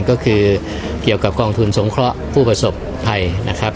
ก็คือเกี่ยวกับกองทุนสงเคราะห์ผู้ประสบภัยนะครับ